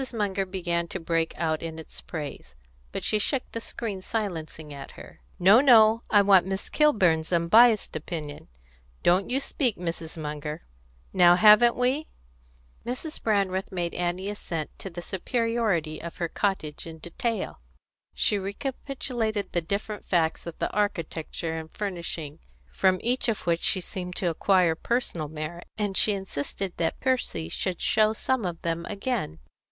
Munger began to break out in its praise, but she shook the screen silencingly at her. "No, no! I want Miss Kilburn's unbiassed opinion. Don't you speak, Mrs. Munger! Now haven't we?" Mrs. Brandreth made Annie assent to the superiority of her cottage in detail. She recapitulated the different facts of the architecture and furnishing, from each of which she seemed to acquire personal merit, and she insisted that Percy should show some of them again.